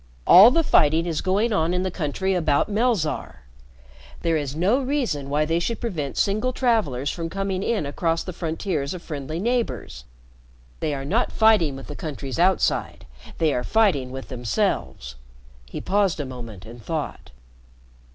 All the fighting is going on in the country about Melzarr. There is no reason why they should prevent single travelers from coming in across the frontiers of friendly neighbors. They're not fighting with the countries outside, they are fighting with themselves." He paused a moment and thought.